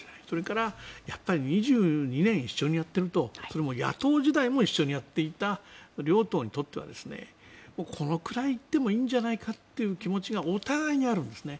それから２２年一緒にやっているとそれとも野党時代も一緒にやっていた両党にとってはこのくらい言ってもいいんじゃないかという気持ちがお互いにあると。